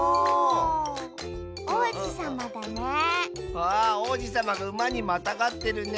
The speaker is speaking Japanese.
あおうじさまがうまにまたがってるね。